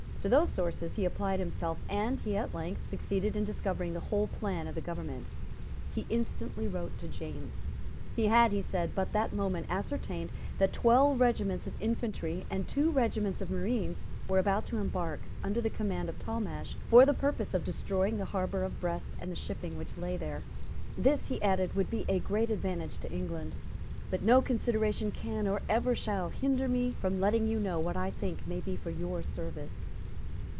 To those sources he applied himself; and he at length succeeded in discovering the whole plan of the government. He instantly wrote to James. He had, he said, but that moment ascertained that twelve regiments of infantry and two regiments of marines were about to embark, under the command of Talmash, for the purpose of destroying the harbour of Brest and the shipping which lay there. "This," he added, "would be a great advantage to England. But no consideration can, or ever shall, hinder me from letting you know what I think may be for your service."